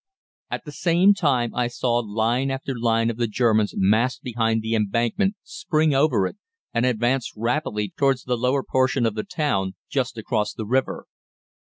"At the same time I saw line after line of the Germans massed behind the embankment spring over it and advance rapidly towards the lower portion of the town, just across the river.